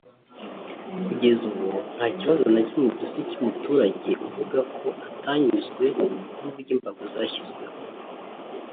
Kugeza ubu nta kibazo na kimwe dufite cy’umuturage uvuga ko atanyuzwe n’uburyo imbago zashyizweho